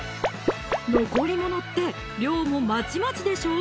残りものって量もまちまちでしょ